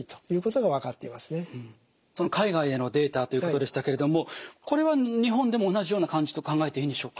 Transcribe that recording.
海外でのデータということでしたけれどもこれは日本でも同じような感じと考えていいんでしょうか？